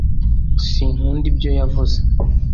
sinkunda ibyo yavuze